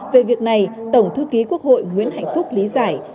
về việc này tổng thư ký quốc hội nguyễn hạnh phúc lý giải